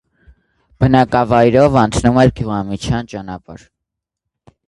Բնակավայրով անցնում էր գյուղամիջյան ճանապարհ։